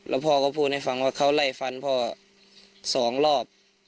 แล้วพ่อก็พูดให้ฟังว่าเขาไล่ฟันพ่อ๒รอบ